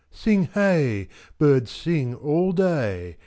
Sing hey! Birds sing All day.